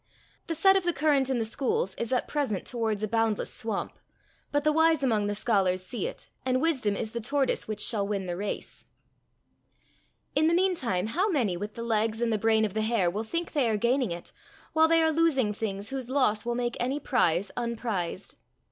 The set of the current in the schools is at present towards a boundless swamp, but the wise among the scholars see it, and wisdom is the tortoise which shall win the race. In the mean time how many, with the legs and the brain of the hare, will think they are gaining it, while they are losing things whose loss will make any prize unprized!